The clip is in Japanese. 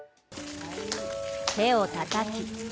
手をたたき。